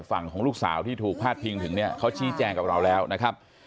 ฝั่งของลูกสาวที่ถูกพาดพิงถึงเนี่ยเขาชี้แจงกับเราแล้วนะครับ